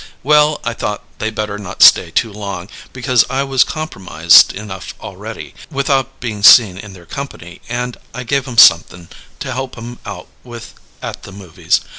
Well, I thought they better not stay too long, because I was compromised enough already, without being seen in their company; and I gave 'em something to help 'em out with at the movies.